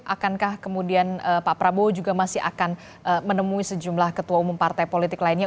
akankah kemudian pak prabowo juga masih akan menemui sejumlah ketua umum partai politik lainnya